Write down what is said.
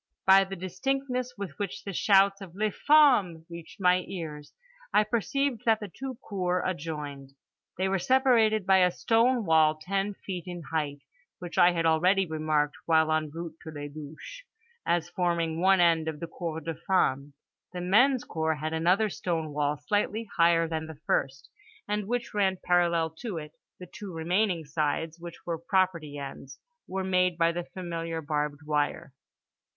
By the distinctness with which the shouts of les femmes reached my ears I perceived that the two cours adjoined. They were separated by a stone wall ten feet in height, which I had already remarked (while en route to les douches) as forming one end of the cour des femmes. The men's cour had another stone wall slightly higher than the first, and which ran parallel to it; the two remaining sides, which were property ends, were made by the familiar barbed wire.